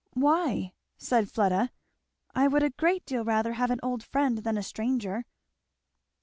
"Why?" said Fleda, "I would a great deal rather have an old friend than a stranger."